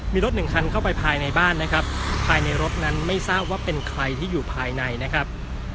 มีรถหนึ่งคันเข้าไปภายในบ้านนะครับภายในรถนั้นไม่ทราบว่าเป็นใครที่อยู่ภายในนะครับ